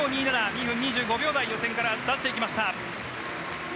２分２５秒台を予選から出していきました。